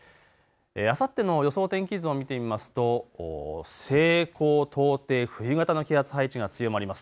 あさっての予想、天気図を見てみますと西高東低、冬型の気圧配置が強まります。